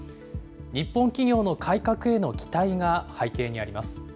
日本企業の改革への期待が背景にあります。